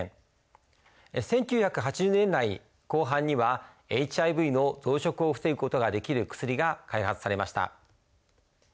１９８０年代後半にはＨＩＶの増殖を防ぐことができる薬が開発されました。